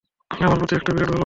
আমার প্রতি একটা বিরাট ভালবাসা।